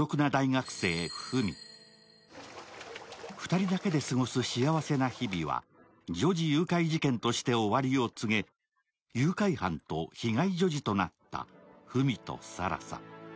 ２人だけで過ごす幸せな日々は女児誘拐事件として終わりを告げ、誘拐犯と被害女児となった文と更紗。